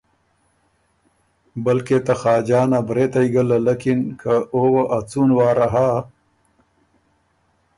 بلکې ته خاجان ا برېتئ ګه للکِن که او وه ا څُون واره هۀ